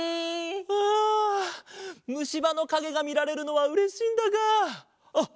あむしばのかげがみられるのはうれしいんだがあっ！